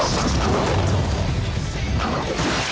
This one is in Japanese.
おっと。